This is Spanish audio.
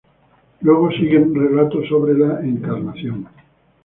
Luego sigue un relato sobre la Encarnación.